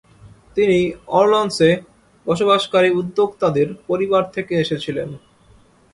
তিনি অর্লানসে বসবাসকারী উদ্যোক্তাদের পরিবার থেকে এসেছিলেন।